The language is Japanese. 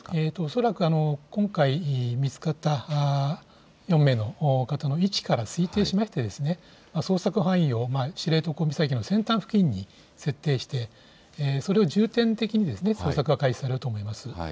恐らく今回見つかった４名の方の位置から推定しまして、捜索範囲を知床岬の先端付近に設定して、それを重点的に捜索が開始されると思います。